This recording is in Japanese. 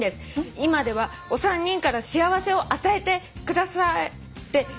「今ではお三人から幸せを与えてくださっています」